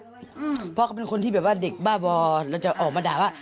เพราะเขาเป็นคนที่แบบว่าเด็กบ้าบอเราจะออกมาด่าว่า